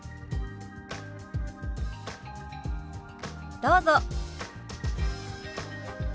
どうぞ。